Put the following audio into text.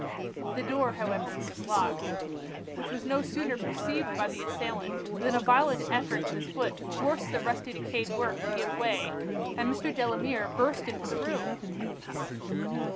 The door, however, was locked. Which was no sooner perceived by the assailant, than a violent effort with his foot forced the rusty decayed work to give way, and Mr. Delamere burst into the room!